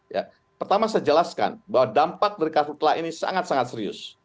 ya pertama saya jelaskan bahwa dampak dari kartu telah ini sangat sangat serius